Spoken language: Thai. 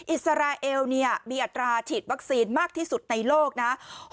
อิสราเอลมีอัตราฉีดวัคซีนมากที่สุดในโลกนะ